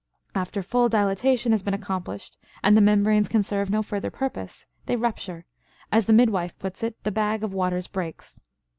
After full dilatation has been accomplished and the membranes can serve no further purpose, they rupture; as the midwife puts it, "the bag of waters breaks."